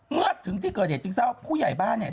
เมื่อถึงที่เกิดเหตุจึงเศร้าผู้ใหญ่บ้านเนี่ย